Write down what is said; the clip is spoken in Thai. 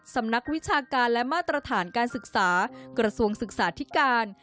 นักวิชาการและมาตรฐานการศึกษากระทรวงศึกษาธิการ